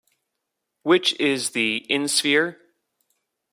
Which is the insphere?